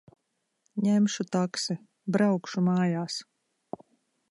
Ņemšu taksi. Braukšu mājās.